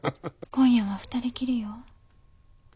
今夜は２人きりよ。